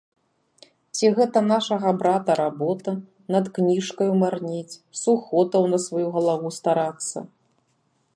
Ці гэта нашага брата работа над кніжкаю марнець, сухотаў на сваю галаву старацца?!